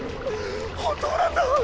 本当なんだ。